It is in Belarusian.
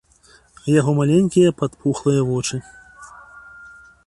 Яго маленькія падпухлыя вочы.